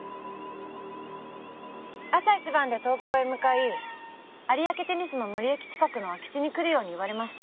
朝一番で東京へ向かい有明テニスの森駅近くの空き地に来るように言われました。